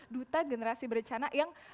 duta generasi berencana yang